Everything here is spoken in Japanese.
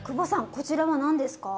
こちらは何ですか？